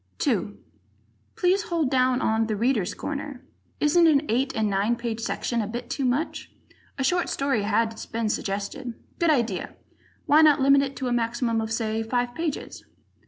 2 Please hold down on "The Readers' Corner." Isn't an eight and nine page section a bit too much? A short story has been suggested good idea. Why not limit it to a maximum of, say, five pages?